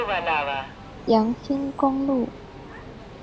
楊新公路